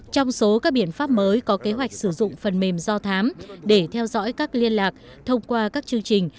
trong số các biện pháp mới có kế hoạch sử dụng phần mềm do thám để theo dõi các liên lạc thông qua các chương trình